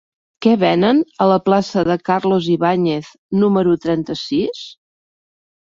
Què venen a la plaça de Carlos Ibáñez número trenta-sis?